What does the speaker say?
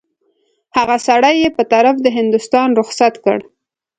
هغه سړی یې په طرف د هندوستان رخصت کړ.